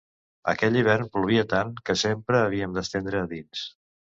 Aquell hivern plovia tant, que sempre havíem d'estendre a dins.